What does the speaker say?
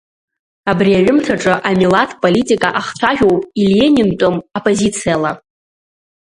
Абри аҩымҭаҿы амилаҭ политика ахцәажәоуп иленинтәым апозициала.